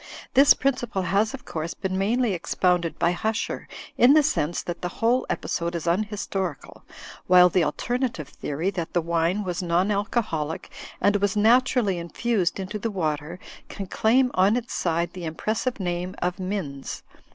This principle has, of course, been mainly expoimded by Huscher in the sense that the whole episode is un historical, while the alternative theory, that the wine was non alcoholic and was naturally infused into the water, can claim on its side the impressive name of Minns.